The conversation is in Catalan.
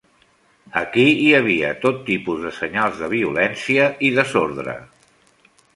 Aquí hi havia tot tipus de senyals de violència i desordre.